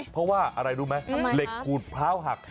เพราะว่าแม่ผมเก่งเพราะว่าเล็กขูดพร้าวหัก